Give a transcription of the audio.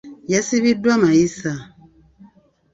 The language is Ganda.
Yasibiddwa mayisa.